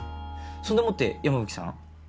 そんでもって山吹さん